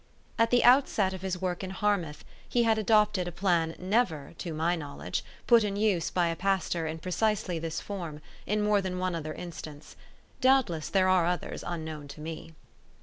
At the outset of his work in Harmouth he had adopted a plan never, to my knowledge, put in use by a pastor in precisely this form, in more than one other instance. Doubtless there are others unknown to me.